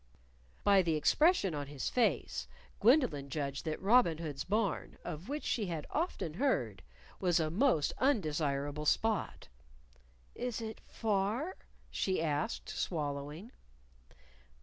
By the expression on his face, Gwendolyn judged that Robin Hood's Barn of which she had often heard was a most undesirable spot. "Is it far?" she asked, swallowing.